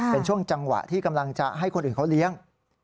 เป็นช่วงจังหวะที่กำลังจะให้คนอื่นเขาเลี้ยง